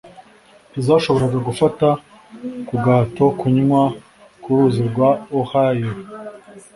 ntizashoboraga gufata ku gahato kunywa ku ruzi rwa Ohio